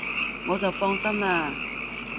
我就放心喇